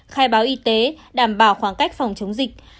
khai báo y tế đảm bảo khoảng cách phòng chống dịch